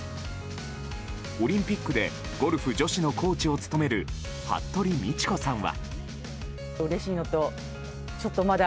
オリンピックでゴルフ女子のコーチを務める服部道子さんは。